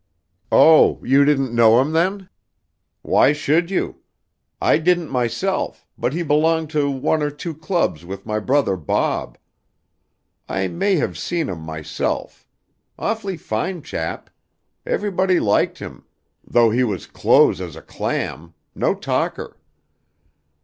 "Oh, you didn't know him, then? Why should you? I didn't myself, but he belonged to one or two clubs with my brother Bob. I may have seen him myself. Awfully fine chap. Everybody liked him, though he was close as a clam no talker.